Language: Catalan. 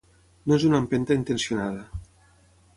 No és una empenta intencionada.